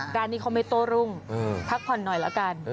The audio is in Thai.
ร้านนี้เขาไม่โต้รุ่งพักผ่อนหน่อยละกัน